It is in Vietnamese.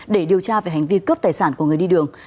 để điều tra về hành vi cướp tài sản của người đi đường